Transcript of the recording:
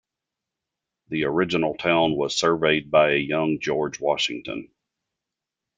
The original town was surveyed by a young George Washington.